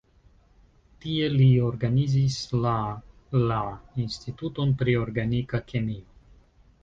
Tie li organizis la la instituton pri organika kemio.